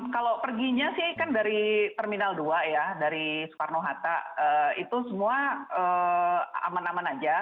kalau perginya sih kan dari terminal dua ya dari soekarno hatta itu semua aman aman aja